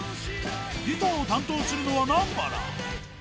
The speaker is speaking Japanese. ギターを担当するのは南原。